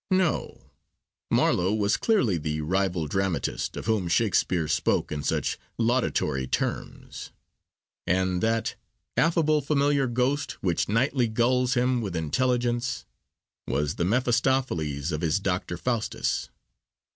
No: Marlowe was clearly the rival dramatist of whom Shakespeare spoke in such laudatory terms; and that Affable familiar ghost Which nightly gulls him with intelligence, was the Mephistopheles of his Doctor Faustus.